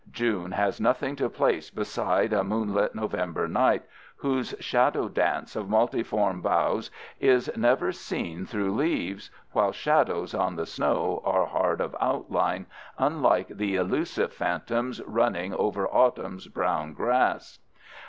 June has nothing to place beside a moonlit November night, whose shadow dance of multiform boughs is never seen through leaves, while shadows on the snow are hard of outline, unlike the illusive phantoms running over autumn's brown grass.